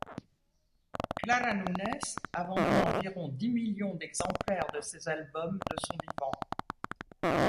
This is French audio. Clara Nunes a vendu environ dix millions d'exemplaires de ses albums de son vivant.